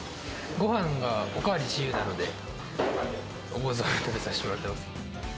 ごはんがお代わり自由なので、思う存分食べさせてもらってます。